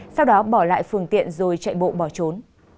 sau đó bỏ lại phương tiện rồi chạy bộ bỏ trốn